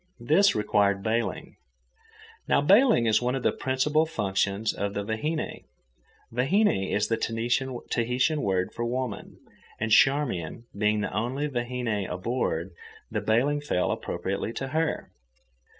This required bailing. Now bailing is one of the principal functions of the vahine. Vahine is the Tahitian for woman, and Charmian being the only vahine aboard, the bailing fell appropriately to her.